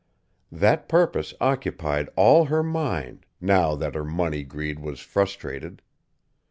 That purpose occupied all her mind, now that her money greed was frustrated.